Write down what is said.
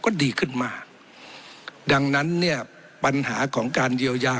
ก็ดีขึ้นมากดังนั้นเนี่ยปัญหาของการเยียวยา